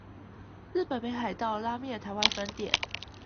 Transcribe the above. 日本北海道拉麵台灣分店